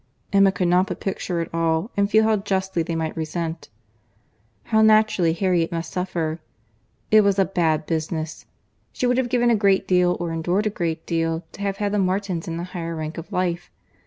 —Emma could not but picture it all, and feel how justly they might resent, how naturally Harriet must suffer. It was a bad business. She would have given a great deal, or endured a great deal, to have had the Martins in a higher rank of life.